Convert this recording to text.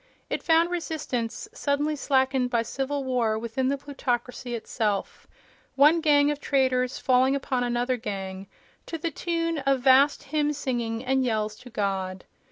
It found resistance suddenly slackened by civil war within the plutocracy itself—one gang of traders falling upon another gang, to the tune of vast hymn singing and yells to God.